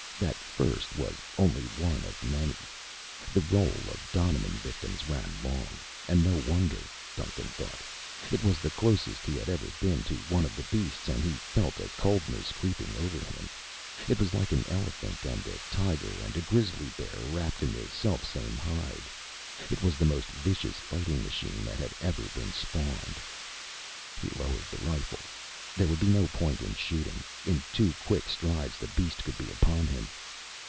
That first was only one of many. The roll of donovan victims ran long, and no wonder, Duncan thought. It was the closest he had ever been to one of the beasts and he felt a coldness creeping over him. It was like an elephant and a tiger and a grizzly bear wrapped in the selfsame hide. It was the most vicious fighting machine that ever had been spawned. He lowered the rifle. There would be no point in shooting. In two quick strides, the beast could be upon him.